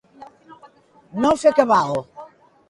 No fer cabal.